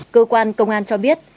cơ quan công an cho biết